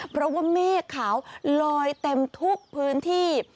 เพราะว่าเมฆขาวลอยเต็มทุกพื้นที่